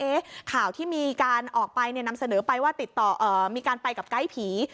เอ๊ะข่าวที่มีการออกไปนำเสนอไปว่ามีการไปกับไกล่ผี